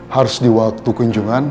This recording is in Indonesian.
harus diwaktu kunjungan